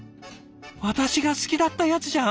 「私が好きだったやつじゃん！